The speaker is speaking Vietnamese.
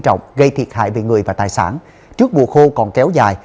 trọng gây thiệt hại về người và tài sản trước mùa khô còn kéo dài